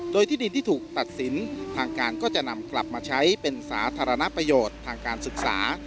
โดยที่ดินที่ถูกตัดสินทางการก็จะนำกลับมาใช้เป็นสาธารณประโยชน์ทางการศึกษา